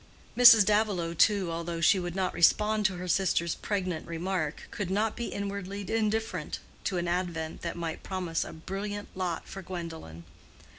Mrs. Davilow, too, although she would not respond to her sister's pregnant remark, could not be inwardly indifferent to an advent that might promise a brilliant lot for Gwendolen.